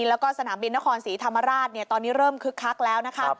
แล้วก็สนามบินนครศรีธรรมราชตอนนี้เริ่มคึกคักแล้วนะคะ